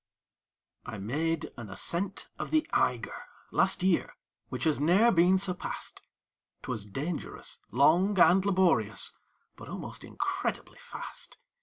I made an ascent of the Eiger Last year, which has ne'er been surpassed; 'Twas dangerous, long, and laborious, But almost incredibly fast.